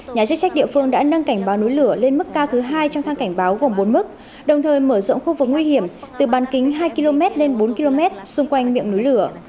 nhà chức trách địa phương đã nâng cảnh báo núi lửa lên mức cao thứ hai trong thang cảnh báo gồm bốn mức đồng thời mở rộng khu vực nguy hiểm từ bàn kính hai km lên bốn km xung quanh miệng núi lửa